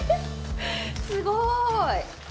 すごい！